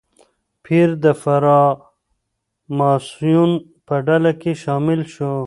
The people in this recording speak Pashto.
پییر د فراماسون په ډله کې شامل شو.